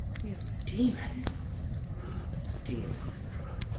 "You, demon!" "Demon!